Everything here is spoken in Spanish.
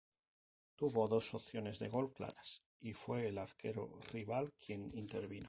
Tuvo dos opciones de gol claras y fue el arquero rival quien intervino.